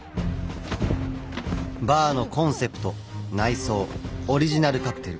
バーのコンセプト内装オリジナルカクテル。